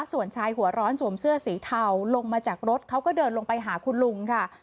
ส่วนชายหัวร้อนสวมเสื้อสีเทาลงมาจากรถเขาก็เดินลงไปหาคุณลุงค่ะ